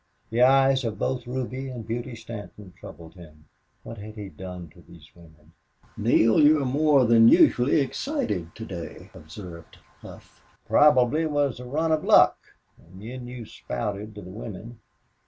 The eyes of both Ruby and Beauty Stanton troubled him. What had he done to these women? "Neale, you're more than usually excited to day," observed Hough. "Probably was the run of luck. And then you spouted to the women."